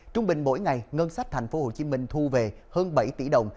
trung bình mỗi ngày ngân sách tp hcm thu về hơn bảy tỷ đồng